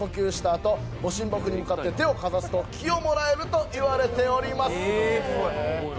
あと御神木に向かって手をかざすと氣をもらえると言われております。